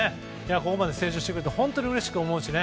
ここまで成長してくれて本当にうれしく思うし。